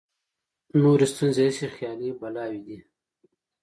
نورې ستونزې هسې خیالي بلاوې دي.